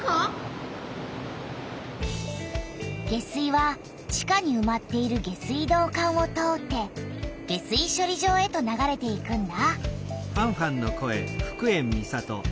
下水は地下にうまっている下水道管を通って下水しょり場へと流れていくんだ。